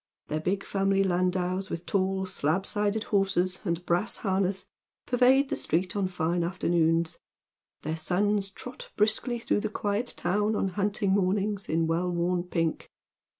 Their big family landaus with tall, slab sided horses and brass harness, pervade the street on fine afternoons ; their sons trot briskly through the quiet town on hunting mornings in well worn pink.